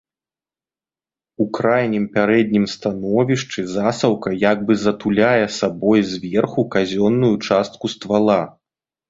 У крайнім пярэднім становішчы засаўка як бы затуляе сабой зверху казённую частку ствала.